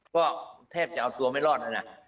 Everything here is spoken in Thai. ก็แทบจะเอาตัวจะไม่รอด